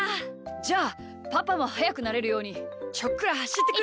じゃあパパもはやくなれるようにちょっくらはしってくるか。